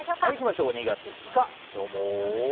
２月２日、今日も。